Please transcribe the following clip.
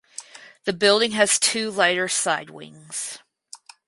The building has two lighter side wings.